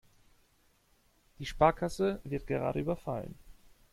Die Sparkasse wird gerade überfallen.